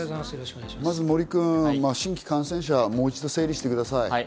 新規感染者、もう一度、整理してください。